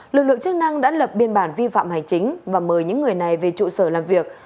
lực lượng chức năng đã lập biên bản vi phạm hành chính và mời những người này về trụ sở làm việc